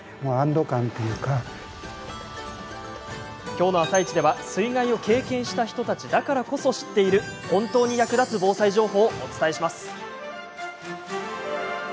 きょうの「あさイチ」では水害を経験した人たちだからこそ知っている本当に役立つ防災情報をお伝えします。